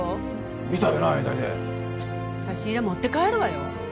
見たよな永大出差し入れ持って帰るわよ